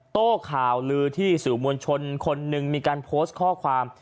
โต้ข่าวลือที่สื่อมวลชนคนหนึ่งมีการโพสต์ข้อความ